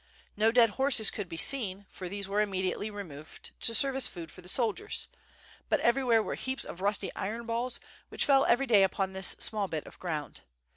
No dead horses could be seen, for these were immediately removed to serve as food for the soldiers, but everywhere were heaps of rusty iron balls, which fell every day upon this small bit of ground.